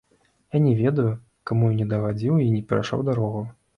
Я не ведаю, каму я не дагадзіў і перайшоў дарогу.